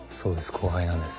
後輩なんです